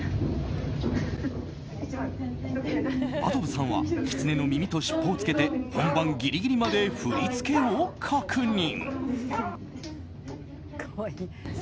真飛さんはキツネの耳と尻尾をつけて本番ギリギリまで振り付けを確認。